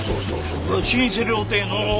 老舗料亭の。